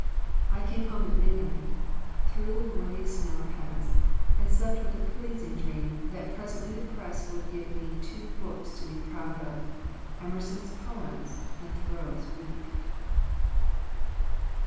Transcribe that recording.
I came home at midnight, through the woody snow paths, and slept with the pleasing dream that presently the press would give me two books to be proud of Emerson's 'Poems,' and Thoreau's 'Week.'"